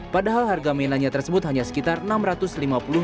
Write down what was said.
padahal harga mainannya tersebut hanya sekitar rp enam ratus